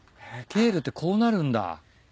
ケールってこうなるんだ。